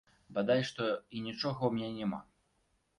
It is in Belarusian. Бадай што і нічога ў мяне няма.